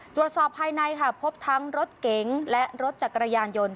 ตรวจสอบภายในค่ะพบทั้งรถเก๋งและรถจักรยานยนต์